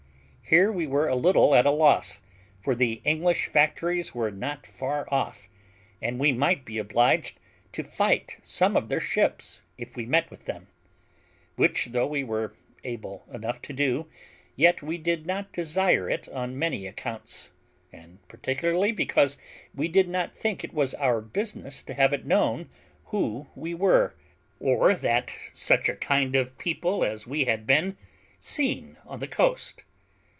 Here we were a little at a loss, for the English factories were not far off, and we might be obliged to fight some of their ships, if we met with them; which, though we were able enough to do, yet we did not desire it on many accounts, and particularly because we did not think it was our business to have it known who we were, or that such a kind of people as we had been seen on the coast.